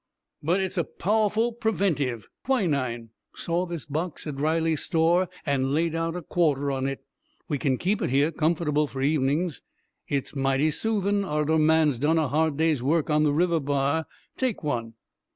"But it's a pow'ful preventive! Quinine! Saw this box at Riley's store, and laid out a quarter on it. We kin keep it here, comfortable, for evenings. It's mighty soothin' arter a man's done a hard day's work on the river bar. Take one."